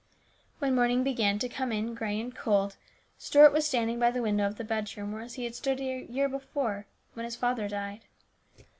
When morning began to come in grey and cold, Stuart was standing by the window of the bedroom as he had stood about a year before when his father died.